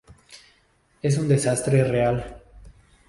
Es un desastre real.